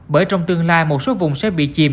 bởi trong tương lai một số vùng sẽ bị chìm